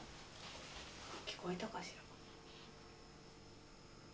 聞こえたかしら？